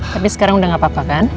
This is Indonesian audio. tapi sekarang udah gak apa apa kan